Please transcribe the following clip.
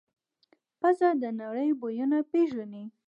پزه د نړۍ بویونه پېژني.